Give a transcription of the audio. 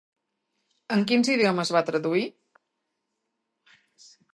En quins idiomes va traduir?